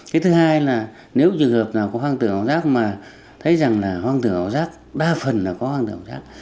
cái thứ hai là nếu trường hợp nào có hoang tưởng ảo giác mà thấy rằng là hoang tưởng ảo giác đa phần là có hoang tưởng ảo giác